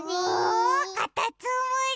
かたつむり！